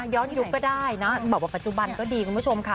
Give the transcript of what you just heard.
ย้อนยุคก็ได้นะบอกว่าปัจจุบันก็ดีคุณผู้ชมค่ะ